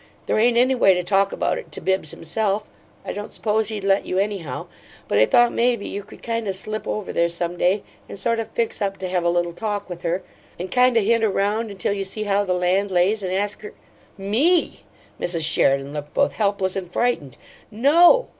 There ain't any way to talk about it to Bibbs himself I don't suppose he'd let you, anyhow but I thought maybe you could kind o' slip over there some day, and sort o' fix up to have a little talk with her, and kind o' hint around till you see how the land lays, and ask her " "ME!" Mrs. Sheridan looked both helpless and frightened. "No."